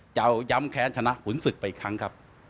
จะเอาย้ำแค้นชนะขุนศึกไปอีกครั้งครับ